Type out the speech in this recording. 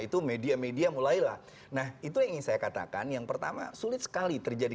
itu media media mulailah nah itu yang ingin saya katakan yang pertama sulit sekali terjadi